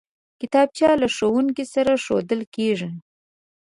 کتابچه له ښوونکي سره ښودل کېږي